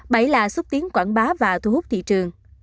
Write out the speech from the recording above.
bảy là xúc tiến quảng bá và thu hút thị trường